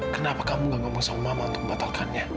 kenapa kamu gak ngomong sama mama untuk membatalkannya